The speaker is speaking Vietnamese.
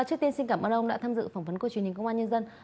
trước tiên xin cảm ơn ông đã tham dự phỏng vấn của truyền hình công an